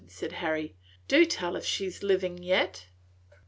said Harry. "Do tell if she is living yet!"